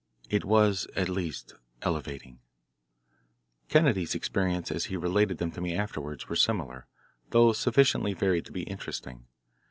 It was at least elevating. Kennedy's experiences as he related them to me afterwards were similar, though sufficiently varied to be interesting.